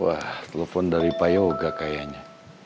wah telepon dari pak yoga kayaknya